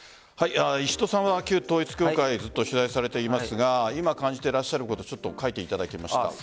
石戸さんは旧統一教会ずっと取材されていますが今、感じてらっしゃること書いていただきました。